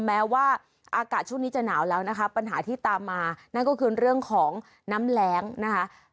แม้ว่าอากาศช่วงนี้จะหนาวแล้วนะคะปัญหาที่ตามมานั่นก็คือเรื่องของน้ำแรงนะคะ